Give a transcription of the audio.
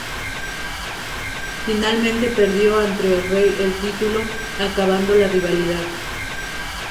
Finalmente perdió ante Rey el título, acabando la rivalidad.